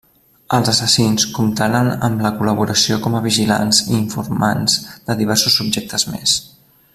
Els assassins comptaren amb la col·laboració com a vigilants i informants de diversos subjectes més.